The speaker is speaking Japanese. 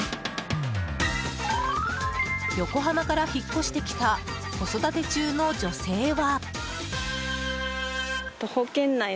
横浜から引っ越してきた子育て中の女性は。